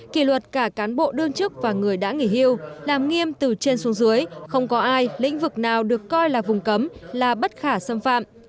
kỷ luật cả cán bộ đương chức và người đã nghỉ hưu làm nghiêm từ trên xuống dưới không có ai lĩnh vực nào được coi là vùng cấm là bất khả xâm phạm